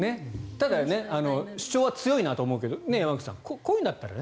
ただ、主張は強いなと思うけどでも山口さんこういうのだったらね。